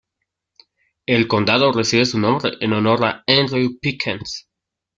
El condado recibe su nombre en honor a Andrew Pickens.